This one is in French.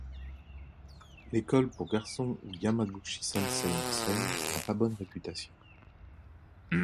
L'école pour garçons où Yamaguchi-sensei enseigne n'a pas bonne réputation.